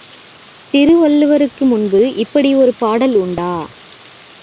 திருவள்ளுவருக்கு முன்பு இப்படி ஒரு பாடல் உண்டா?